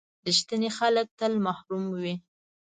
• رښتیني خلک تل محترم وي.